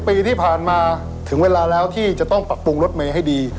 ปีที่ผ่านมาถึงเวลาแล้วที่จะต้องปรับปรุงรถเมย์ให้ดี